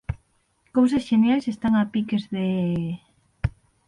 Cousas xeniais están a piques de...